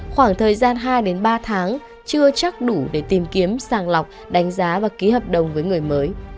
khoảng thời gian hai ba tháng chưa chắc đủ để tìm kiếm sàng lọc đánh giá và ký hợp đồng với người mới